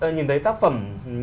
nhìn thấy tác phẩm